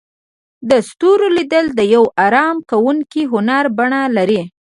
د ستورو لیدل د یو آرام کوونکي هنر بڼه لري.